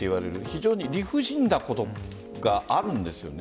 非常に理不尽なことがあるんですよね。